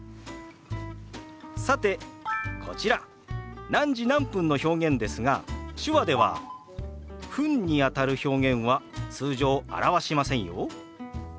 さてこちら「何時何分」の表現ですが手話では「分」にあたる表現は通常表しませんよ。